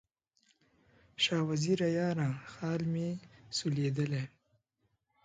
شاه وزیره یاره، خال مې سولېدلی